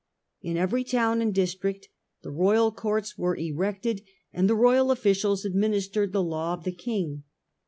In every town and district the royal courts were erected and the royal officials administered the law of the King.